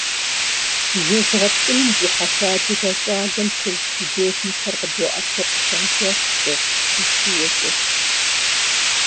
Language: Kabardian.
Жэз гъэпкӀыным дихьэха адыгэ щӀалэм куржы художникхэр къыдоӀэпыкъу чэнджэщкӀэ, ущиекӀэ.